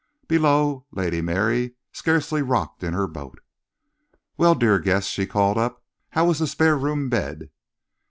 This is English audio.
Below, Lady Mary scarcely rocked in her boat. "Well, dear guest," she called up, "how was the spare room bed?"